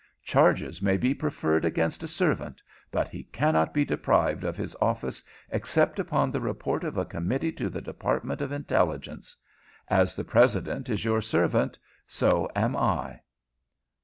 Charges may be preferred against a servant, but he cannot be deprived of his office except upon the report of a committee to the Department of Intelligence. As the President is your servant, so am I."